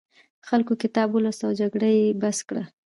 خلکو کتاب ولوست او جګړه یې بس کړه.